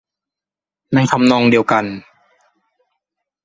ในทำนองเดียวกัน